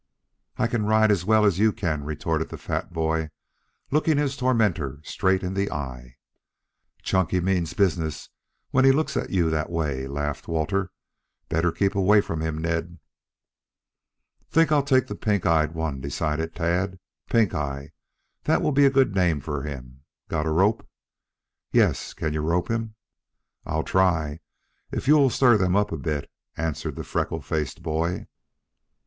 "I can ride as well as you can," retorted the fat boy, looking his tormentor straight in the eyes. "Chunky means business when he looks at you that way," laughed Walter. "Better keep away from him, Ned." "Think I'll take the pink eyed one," decided Tad. "Pink eye. That will be a good name for him. Got a rope?" "Yes, kin you rope him?" "I'll try if you will stir them up a bit," answered the freckle faced boy.